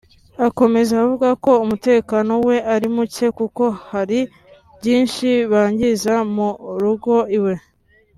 Akomeza avuga ko umutekano we ari muke kuko hari byinshi bangiza mu rugo iwe